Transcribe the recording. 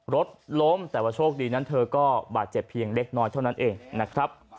รถล้มแต่ว่าโชคดีนั้นเธอก็บาดเจ็บเพียงเล็กน้อยเท่านั้นเองนะครับ